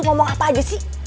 ngomong apa aja sih